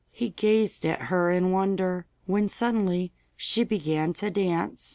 He gazed at her in wonder, when suddenly she began to dance.